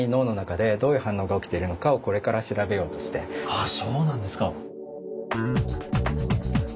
あそうなんですか。